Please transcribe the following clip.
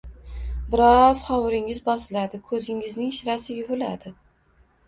Biroz hovuringiz bosiladi, ko‘zingizning shirasi yuviladi.